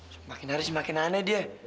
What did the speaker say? semakin hari semakin aneh dia